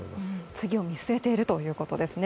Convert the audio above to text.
次を見据えているということですね。